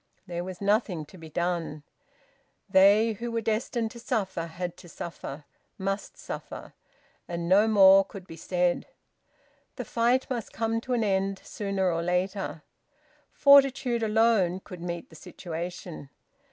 There was nothing to be done. They who were destined to suffer had to suffer, must suffer; and no more could be said. The fight must come to an end sooner or later. Fortitude alone could meet the situation.